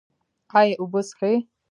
ایا اوبه څښئ؟